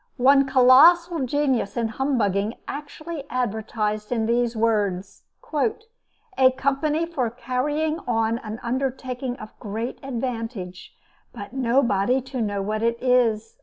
One colossal genius in humbugging actually advertised in these words: "A company for carrying on an undertaking of great advantage, but nobody to know what it is."